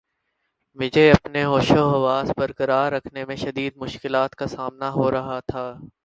مجھے اپنے ہوش و حواس بر قرار رکھنے میں شدید مشکلات کا سامنا ہو رہا تھا